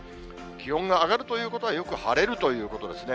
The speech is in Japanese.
気温が上がるということは、よく晴れるということですね。